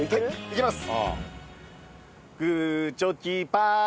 いけます。